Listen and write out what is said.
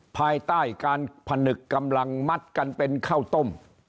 ภายใต้การผนึกกำลังมัดกันเป็นข้าวต้ม